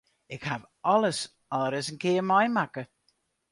Ik haw alles al ris in kear meimakke.